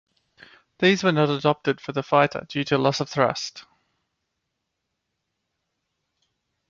These were not adopted for the fighter due to loss of thrust.